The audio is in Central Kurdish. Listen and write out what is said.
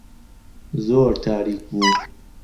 زۆر تاریک بوو.